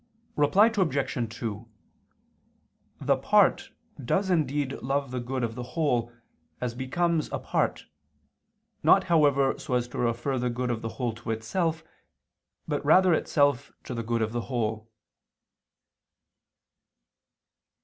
Reply Obj. 2: The part does indeed love the good of the whole, as becomes a part, not however so as to refer the good of the whole to itself, but rather itself to the good of the whole.